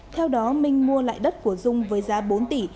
theo đó minh mua lại đất của dung với giá bốn tỷ